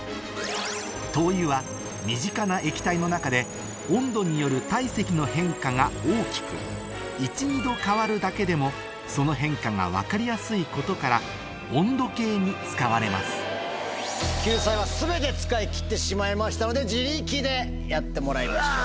灯油は身近な液体の中で１２℃変わるだけでもその変化が分かりやすいことから温度計に使われます救済は全て使い切ってしまいましたので自力でやってもらいましょう。